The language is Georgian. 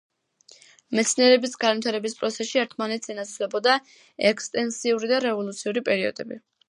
მეცნიერების განვითარების პროცესში ერთმანეთს ენაცვლებოდა ექსტენსიური და რევოლუციური პერიოდები.